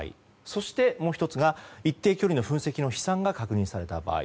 そしてもう１つが一定距離の噴石の飛散が確認された場合。